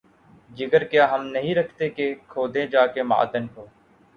جگر کیا ہم نہیں رکھتے کہ‘ کھودیں جا کے معدن کو؟